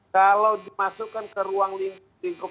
kalau dimasukkan ke ruang lingkup lingkup